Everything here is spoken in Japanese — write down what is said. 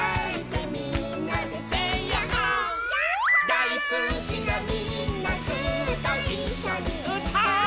「だいすきなみんなずっといっしょにうたおう」